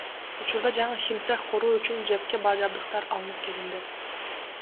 Учурда жаңы химцех куруу үчүн ЖЭБге жабдыктар алынып келинди.